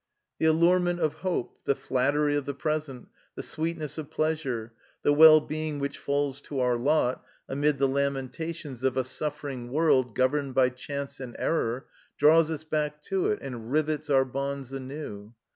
The allurement of hope, the flattery of the present, the sweetness of pleasure, the well being which falls to our lot, amid the lamentations of a suffering world governed by chance and error, draws us back to it and rivets our bonds anew.